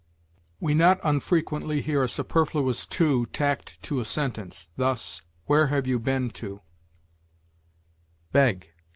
We not unfrequently hear a superfluous to tacked to a sentence; thus, "Where have you been to?" BEG.